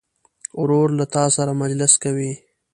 ورور له تا سره مجلس کوي.